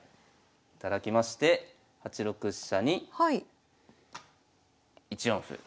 頂きまして８六飛車に１四歩。